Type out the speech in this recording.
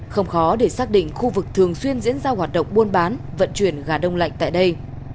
không khó để xác định khu vực thường xuyên diễn ra hoạt động buôn bán vận chuyển gà đông lạnh tại đây